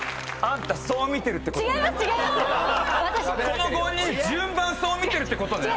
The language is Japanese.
この５人順番そう見てるってことね。